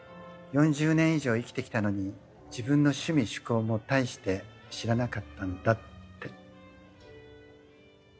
４０年以上生きてきたのに自分の趣味趣向も大して知らなかったんだって。